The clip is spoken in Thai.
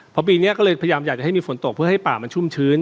เพราะปีนี้ก็เลยพยายามอยากจะให้มีฝนตกเพื่อให้ป่ามันชุ่มชื้น